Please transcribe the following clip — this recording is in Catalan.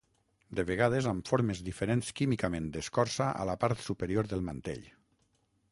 De vegades, amb formes diferents químicament d'escorça a la part superior del mantell.